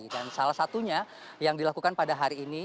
dan salah satunya yang dilakukan pada hari ini